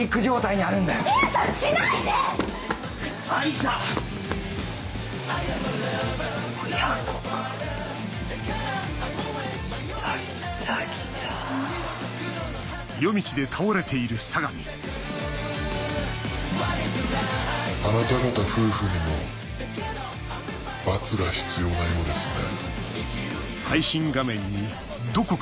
あなた方夫婦にも罰が必要なようですね。